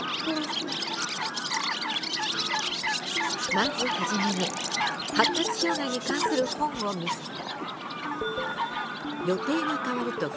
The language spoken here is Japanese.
まず初めに発達障害に関する本を見せた。